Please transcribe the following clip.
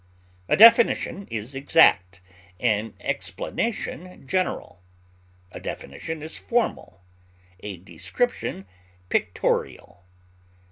A definition is exact, an explanation general; a definition is formal, a description pictorial.